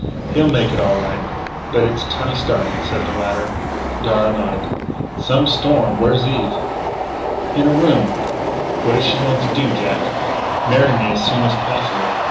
"He'll make it all right, but it's time he started," said the latter. Darragh nodded: "Some storm. Where is Eve?" "In her room." "What is she going to do, Jack?" "Marry me as soon as possible.